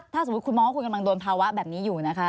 ถ้าสมมุติคุณมองว่าคุณกำลังโดนภาวะแบบนี้อยู่นะคะ